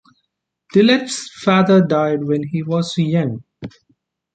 Tillet's father died when he was young.